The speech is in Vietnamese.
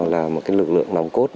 là một lực lượng nằm cốt